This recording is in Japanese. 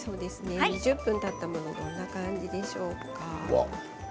２０分たったものどんな感じでしょうか。